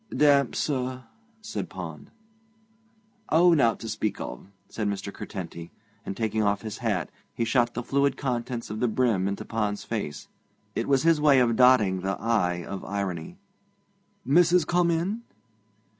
'Damp, sir,' said Pond. 'Oh, nowt to speak of,' said Mr. Curtenty, and, taking off his hat, he shot the fluid contents of the brim into Pond's face. It was his way of dotting the 'i' of irony. 'Missis come in?'